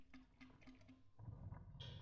属名是以发现化石的迪布勒伊家庭为名。